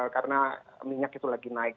karena minyak itu lagi naik